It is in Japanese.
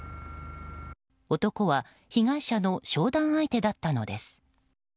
男は被害者の商談相手だったのです。